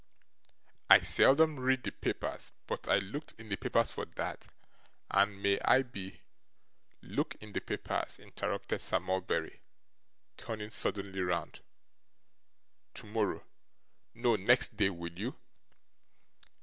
I seldom read the papers, but I looked in the papers for that, and may I be ' 'Look in the papers,' interrupted Sir Mulberry, turning suddenly round, 'tomorrow no, next day, will you?